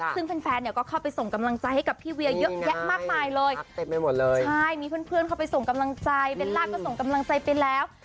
ซึ่งแฟนเนี่ยก็เข้าไปส่งกำลังใจให้กับพี่เวียเยอะแยะมากมายเลยเต็มไปหมดเลยใช่มีเพื่อนเข้าไปส่งกำลังใจเบลล่าก็ส่งกำลังใจไปแล้ว